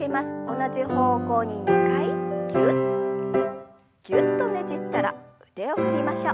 同じ方向に２回ぎゅっぎゅっとねじったら腕を振りましょう。